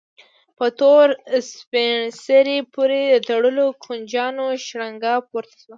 په تور سپڼسي پورې د تړلو کونجيانو شرنګا پورته شوه.